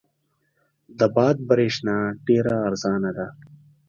د باد برېښنا ډېره ارزانه ده.